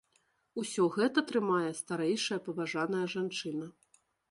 Усё гэта трымае старэйшая паважаная жанчына.